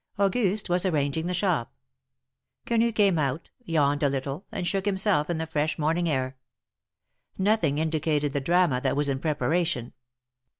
Auguste was arranging the shop. Quenu came out, yawned a little, and shook himself in the fresh morning air. Nothing indicated the drama that was in preparation.